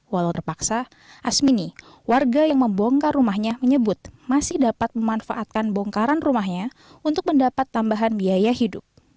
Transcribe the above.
walau terpaksa asmini warga yang membongkar rumahnya menyebut masih dapat memanfaatkan bongkaran rumahnya untuk mendapat tambahan biaya hidup